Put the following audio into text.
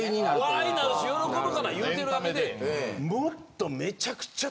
笑いになるし喜ぶから言うてるだけでもっと。